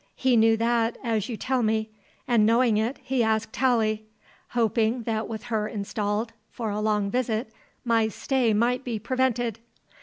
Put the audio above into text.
"He knew that, as you tell me; and, knowing it, he asked Tallie; hoping that with her installed for a long visit my stay might be prevented.